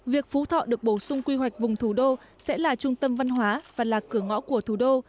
việc phú thọ được bổ sung quy hoạch vùng thủ đô sẽ là trung tâm văn hóa và là cửa ngõ của thủ đô